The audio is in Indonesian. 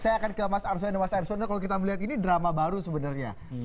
saya akan kira mas arswane mas arswane kalau kita melihat ini drama baru sebenarnya